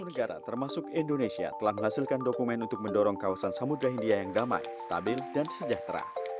dua puluh satu negara termasuk indonesia telah menghasilkan dokumen untuk mendorong kawasan samudera hindia yang damai stabil dan sejahtera